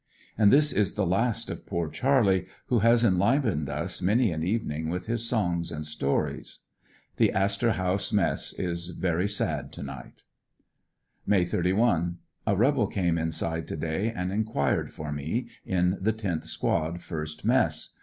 And this is the last of poor Charlie, who has enlivened us many an evening with his songs and stories. The Astor House Mess is very sad to night. May 31. — A rebel came inside to day and enquired for me, in the tenth squad, first mess.